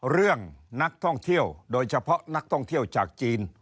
เรื่องนักท่องเที่ยวโดยเฉพาะนักท่องเที่ยวจากจีน